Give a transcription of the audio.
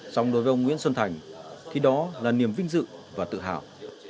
song đối với ông nguyễn xuân thành khi đó là niềm vinh dự và tự hào